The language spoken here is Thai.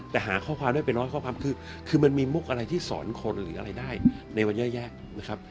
แต่หาข้อความได้เป็นร้อยข้อความคือมันมีมุกอะไรที่สอนคนหรืออะไรได้ในวันแย่นะครับ